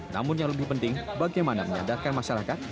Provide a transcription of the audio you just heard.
namun yang lebih penting bagaimana menyadarkan masyarakat